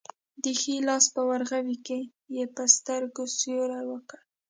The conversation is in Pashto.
د ښي لاس په ورغوي کې یې په سترګو سیوری وکړ.